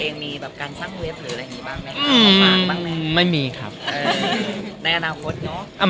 ในอนาคตเนาะ